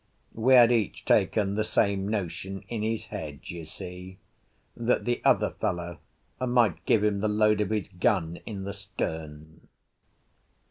We had each taken the same notion in his head, you see, that the other fellow might give him the load of his gun in the stern.